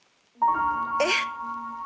えっ？